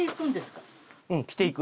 うん着ていく。